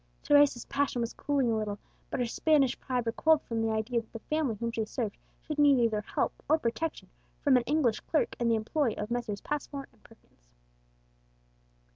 Teresa's passion was cooling a little, but her Spanish pride recoiled from the idea that the family whom she served should need either help or protection from an English clerk in the employ of Messrs. Passmore and Perkins.